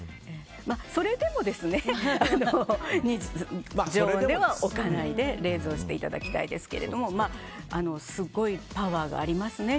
それでも常温では置かないで冷蔵していただきたいですけどすごいパワーがありますね